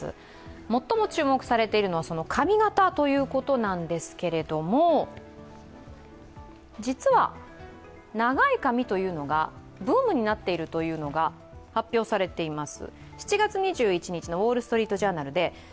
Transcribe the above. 最も注目されているのは、髪型ということなんですけれども実は長い髪というのはブームになっているというのが発表されています。